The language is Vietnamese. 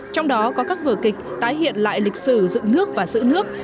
trong đó có các vở kịch tái hiện lại lịch sử dựng nước và giữ nước